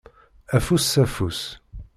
Afus s afus.